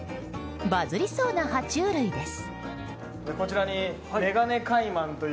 バズりそうな爬虫類です。